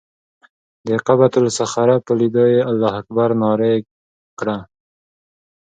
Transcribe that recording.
د قبة الصخره په لیدو یې الله اکبر نارې کړه.